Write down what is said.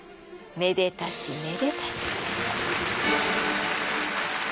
めでたしめでたし。